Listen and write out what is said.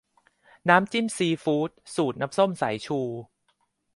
น้ำจิ้มซีฟู้ด สูตรน้ำส้มสายชู